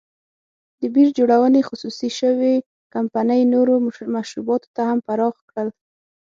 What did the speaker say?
د بیر جوړونې خصوصي شوې کمپنۍ نورو مشروباتو ته هم پراخ کړ.